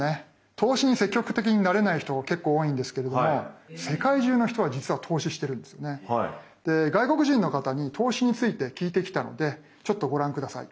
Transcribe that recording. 投資に積極的になれない人が結構多いんですけれども外国人の方に投資について聞いてきたのでちょっとご覧下さい。